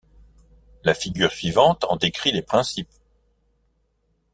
La figure suivante en décrit les principes.